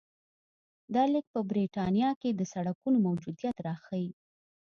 دا لیک په برېټانیا کې د سړکونو موجودیت راښيي